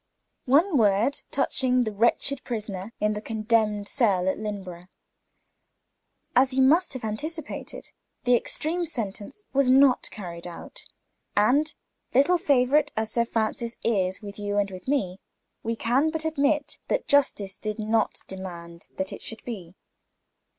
One word touching that wretched prisoner in the condemned cell at Lynneborough. As you must have anticipated, the extreme sentence was not carried out. And, little favorite as Sir Francis is with you and with me, we can but admit that justice did not demand that it should be.